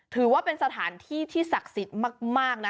ถือว่าเป็นสถานที่ที่ศักดิ์สิทธิ์มากนะ